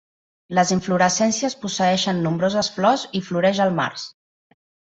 Les inflorescències posseeixen nombroses flors i floreix al març.